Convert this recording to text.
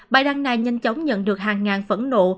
bài đăng này nhanh chóng nhận được hàng ngàn phẫn nộ